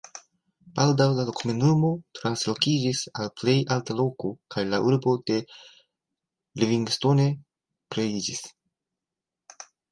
Baldaŭ la komunumo translokiĝis al plej alta loko kaj la urbo de Livingstone kreiĝis.